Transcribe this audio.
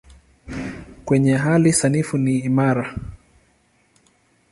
Kwenye hali sanifu ni imara.